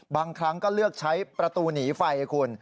บางครั้งก็เลือกใช้ประตูหนีไฟคุณ